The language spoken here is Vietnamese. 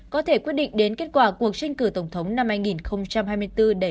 có thể quyết định đến kết quả cuộc tranh cử tổng thống năm hai nghìn hai mươi bốn đẩy gai cấn